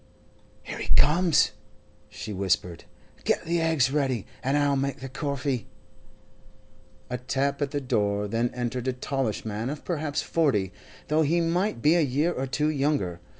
'Here he comes,' she whispered. 'Get the eggs ready, an' I'll make the coffee.' A tap at the door, then entered a tallish man of perhaps forty, though he might be a year or two younger.